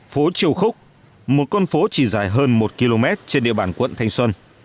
phố triều khúc một con phố chỉ dài hơn một km trên địa bàn quận thanh xuân